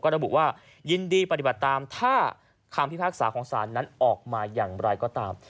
ระบุว่ายินดีปฏิบัติตามถ้าคำพิพากษาของศาลนั้นออกมาอย่างไรก็ตาม